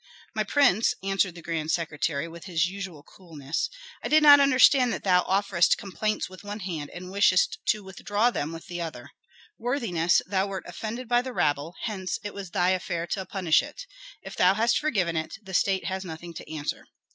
"My prince," answered the grand secretary, with his usual coolness, "I did not understand that thou offerest complaints with one hand and wishest to withdraw them with the other. Worthiness, thou wert offended by the rabble; hence it was thy affair to punish it. If thou hast forgiven it, the state has nothing to answer."